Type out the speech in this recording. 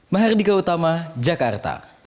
mahardika utama jakarta